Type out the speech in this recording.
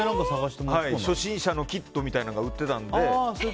初心者のキットみたいなのが売っていたので。